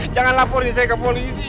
jangan laporin saya ke polisi